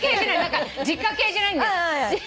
実家系じゃないんだよ。